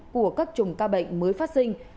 của các trùng ca bệnh mới phát sinh